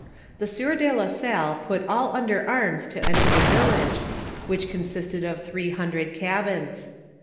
The sieur de la Salle put all under arms to enter the village, which consisted of three hundred cabins.